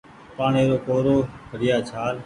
پآڻيٚ رو ڪورو گھڙيآ ڇآل